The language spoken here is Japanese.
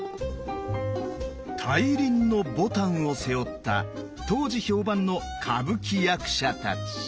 大輪の牡丹を背負った当時評判の歌舞伎役者たち。